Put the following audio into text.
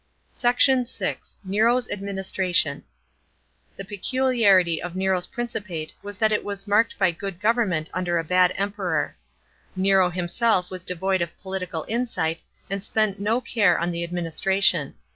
SECT. VI. — NERO'S ADMINISTRATION. § 25. The peculiarity of Nero's principate was that it was marked by good government under a bad Emperor. Nero himself was devoid of political insight and spent no care on the adminis tration.